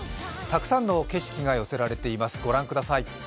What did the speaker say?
たくさんの景色が寄せられています、ご覧ください。